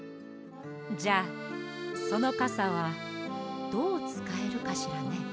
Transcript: じゃあそのカサはどうつかえるかしらね。